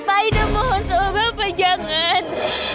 pak idam mohon sama bapak jangan